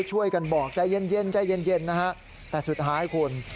ช่วยกันบอกใจเย็นแต่สุดท้ายคุณ